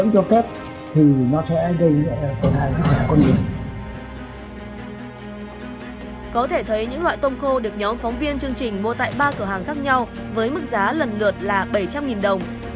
có thể thấy những loại tôm khô được nhóm phóng viên chương trình mua tại ba cửa hàng khác nhau với mức giá lần lượt là một triệu đồng